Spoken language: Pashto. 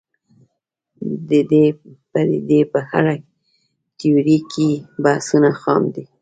د دې پدیدې په اړه تیوریکي بحثونه خام دي